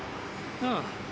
ああ。